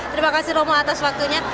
terima kasih romo atas waktunya